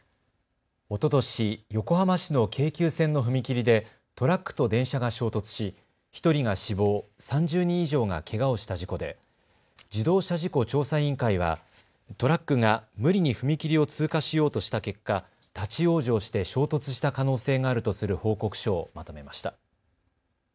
おととし横浜市の京急線の踏切でトラックと電車が衝突し１人が死亡、３０人以上がけがをした事故で自動車事故調査委員会はトラックが無理に踏切を通過しようとした結果、立往生して衝突した可能性があるとする報告書をまとめました。